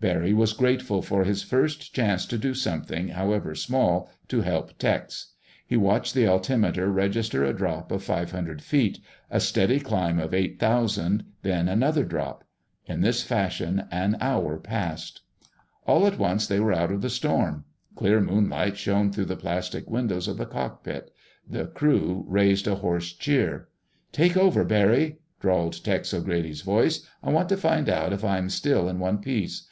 Barry was grateful for his first chance to do something, however small, to help Tex. He watched the altimeter register a drop of five hundred feet, a steady climb of eight thousand, then another drop. In this fashion an hour passed. All at once they were out of the storm. Clear moonlight shone through the plastic windows of the cockpit. The crew raised a hoarse cheer. "Take over, Barry," drawled Tex O'Grady's voice. "I want to find out if I am still in one piece.